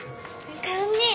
堪忍。